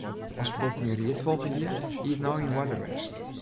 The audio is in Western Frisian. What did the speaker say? As Bob myn ried folge hie, hie it no yn oarder west.